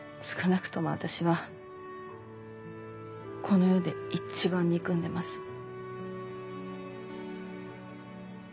少なくとも私はこの世で一番憎んでます。